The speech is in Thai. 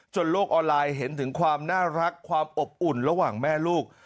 โลกออนไลน์เห็นถึงความน่ารักความอบอุ่นระหว่างแม่ลูก